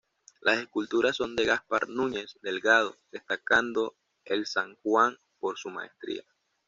Las esculturas son de Gaspar Núñez Delgado, destacando el San Juan por su maestría.